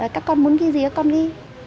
các con muốn ghi gì các con đi